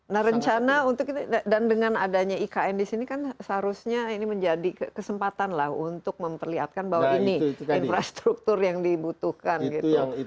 nah rencana untuk dan dengan adanya ikn di sini kan seharusnya ini menjadi kesempatan lah untuk memperlihatkan bahwa ini infrastruktur yang dibutuhkan gitu